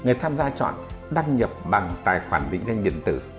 người tham gia chọn đăng nhập bằng tài khoản định danh điện tử